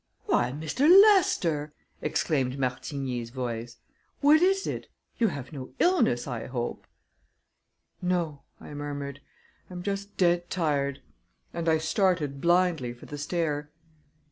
"Why, Mistair Lester!" exclaimed Martigny's voice. "What is it? You have no illness, I hope!" "No," I murmured, "I'm just dead tired," and I started blindly for the stair.